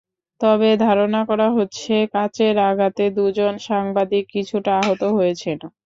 তবে ধারণা করা হচ্ছে, কাচের আঘাতে দুজন সাংবাদিক কিছুটা আহত হয়েছেন।